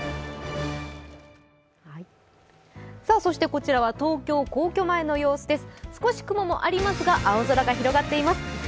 こちらは東京・皇居前の様子です。